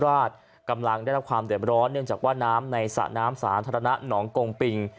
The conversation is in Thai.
ราชกำลังได้รับความเด็บร้อนเนื่องจากว่าน้ำในสระน้ำสาธารณะหนองกงปิง